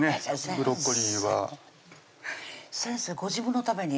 ブロッコリーは先生ご自分のために？